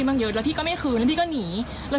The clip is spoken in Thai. เมื่อไหร่จะเคลียร์ล่ะคุณก็ต้องมีสิทธิ์สำนุกเนอะ